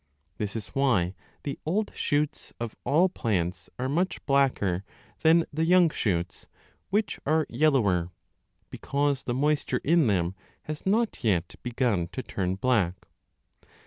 This is why the old shoots of all plants 5 are much blacker than the young shoots, which are yellower because the moisture in them has not yet begun to turn black.